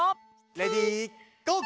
レディーゴー！